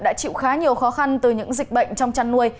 đã chịu khá nhiều khó khăn từ những dịch bệnh trong chăn nuôi